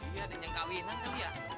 iya ada yang nyengkawinan tuh ya